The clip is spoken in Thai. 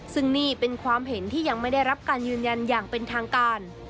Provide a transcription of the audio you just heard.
ซึ่งนี่เป็นความเห็นที่ยังไม่ได้รับการยืนยันอย่างเป็นทางการ